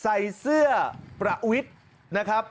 ใส่เสื้อประวิทย์นะครับ